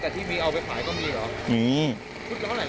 ฟังเสียงคนที่ไปรับของกันหน่อย